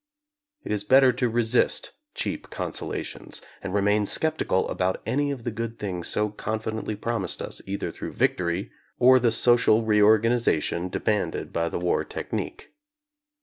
It is better to resist cheap consolations, and remain skeptical about any of the good things so confidently promised us either through victory or the social reorganization de manded by the war technique.